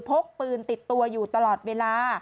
พกปืนติดตัวอยู่ตลอดเวลา